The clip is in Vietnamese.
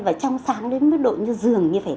và trong sáng đến mức độ như giường như phải thế